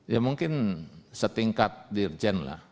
ya mungkin setingkat dirjen lah